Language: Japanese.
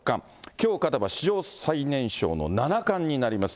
きょう勝てば史上最年少の七冠になります。